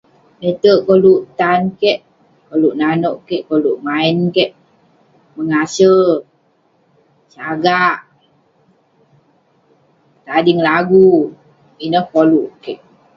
Lete'erk kolouk tan kik, kolouk nanouk kik, kolouk main kik, mengase, sagak, petading lagu. Ineh kolouk kik.